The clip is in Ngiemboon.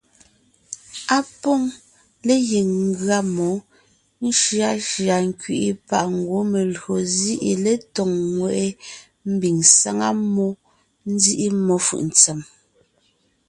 Á pôŋ legiŋ ngʉa mmó shʉashʉa nkẅiʼi páʼ ngwɔ́ melÿo zîʼi letóŋ, ŋweʼe mbiŋ sáŋa mmó, nzíʼi mmó fʉʼ ntsèm.